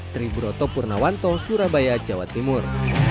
tribur oto portland surabaya java timur